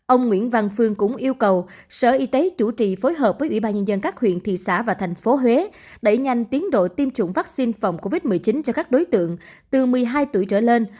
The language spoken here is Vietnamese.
ông nguyễn văn phương cũng yêu cầu sở y tế chủ trì phối hợp với ủy ban nhân dân các huyện thị xã và thành phố huế đẩy nhanh tiến độ tiêm chủng vaccine phòng covid một mươi chín cho các đối tượng từ một mươi hai tuổi trở lên